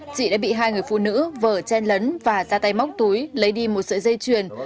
chị đã bị hai người phụ nữ vở chen lấn và ra tay móc túi lấy đi một sợi dây chuyền